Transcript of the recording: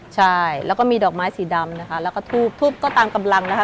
ใช่แล้วก็มีดอกไม้สีดำนะคะแล้วก็ทูบทูบก็ตามกำลังนะคะ